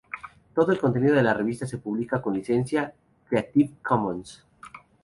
Todo el contenido de la revista se publica con licencia Creative Commons.